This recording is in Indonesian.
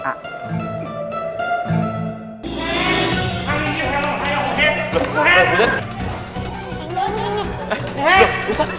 kade jangan lupa yang ujit